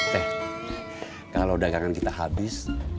teh kalau dagangan kita habis